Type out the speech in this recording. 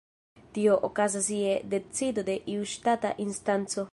Tio okazas je decido de iu ŝtata instanco.